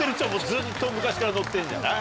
ずっと昔から載ってるんじゃない？